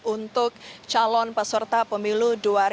untuk calon peserta pemilu dua ribu sembilan belas